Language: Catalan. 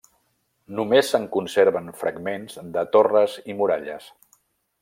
Només se'n conserven fragments de torres i muralles.